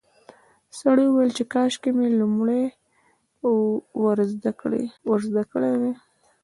سړي وویل چې کاشکې مې لومړی ور زده کړي وای.